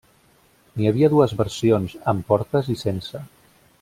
N'hi havia dues versions, amb portes i sense.